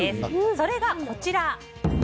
それが、こちら。